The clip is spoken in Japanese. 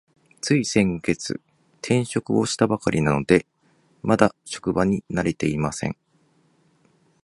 つい先月、転職をしたばかりなので、まだ職場に慣れていません。